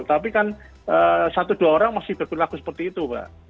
tapi kan satu dua orang masih bergerak seperti itu